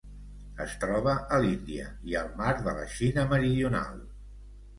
Es troba a l'Índia i al Mar de la Xina Meridional.